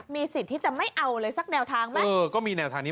มีสิทธิ์ที่จะไม่เอาเลยสักแนวทางมั้ย